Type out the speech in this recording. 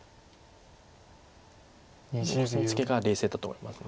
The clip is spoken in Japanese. このコスミツケが冷静だと思います。